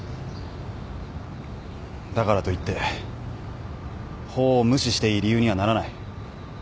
だからといって法を無視していい理由にはならない。